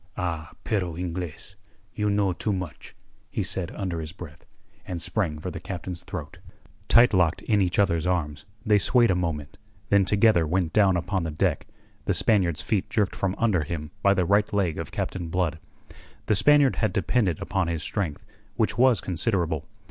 "Ah, perro ingles! You know too much," he said under his breath, and sprang for the Captain's throat. Tight locked in each other's arms, they swayed a moment, then together went down upon the deck, the Spaniard's feet jerked from under him by the right leg of Captain Blood. The Spaniard had depended upon his strength, which was considerable.